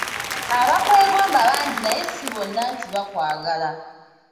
Abakwegomba bangi naye si bonna nti bakwagala.